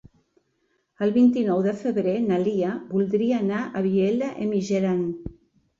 El vint-i-nou de febrer na Lia voldria anar a Vielha e Mijaran.